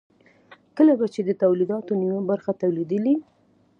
کله به چې د تولیداتو نیمه برخه تولیدېدله